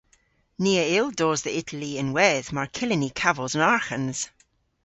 Ni a yll dos dhe Itali ynwedh mar kyllyn ni kavos an arghans.